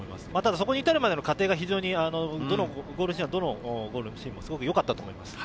そこに至るまでの過程が非常に、どのゴールシーンもすごくよかったと思います。